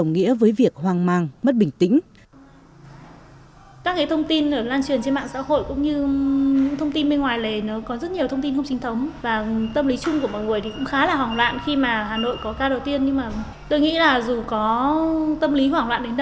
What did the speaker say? đồng nghĩa với việc hoang mang mất bình tĩnh